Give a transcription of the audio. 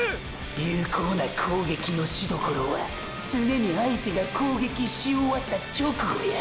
有効な攻撃のしどころは常に相手が攻撃し終わった直後や。